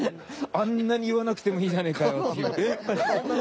「あんなに言わなくてもいいじゃねえかよ」っていう。